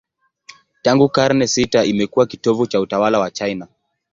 Tangu karne sita imekuwa kitovu cha utawala wa China.